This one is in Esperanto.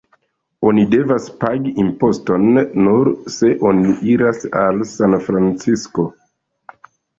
Oni devas pagi imposton nur se oni iras al Sanfrancisko.